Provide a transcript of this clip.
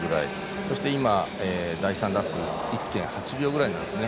そして今、第３ラップ１．８秒くらいなんですね。